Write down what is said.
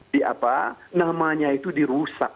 di apa namanya itu dirusak